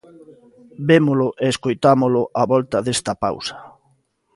Vémolo e escoitámolo á volta desta pausa.